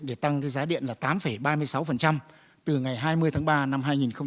để tăng giá điện là tám ba mươi sáu từ ngày hai mươi tháng ba năm hai nghìn hai mươi